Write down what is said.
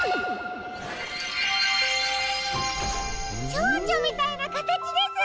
チョウチョみたいなかたちです！